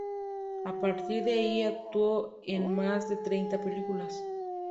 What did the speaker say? A partir de allí actuó en más de treinta películas.